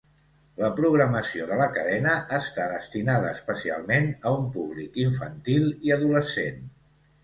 La programació de la cadena està destinada especialment a un públic infantil i adolescent.